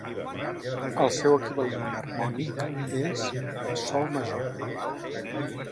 El seu equivalent enharmònic és sol major.